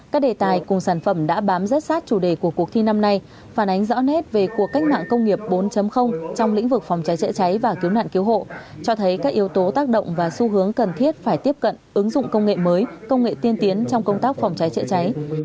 các đề tài cùng sản phẩm đã bám rất sát chủ đề của cuộc thi năm nay phản ánh rõ nét về cuộc cách mạng công nghiệp bốn trong lĩnh vực phòng cháy chữa cháy và cứu nạn cứu hộ cho thấy các yếu tố tác động và xu hướng cần thiết phải tiếp cận ứng dụng công nghệ mới công nghệ tiên tiến trong công tác phòng cháy chữa cháy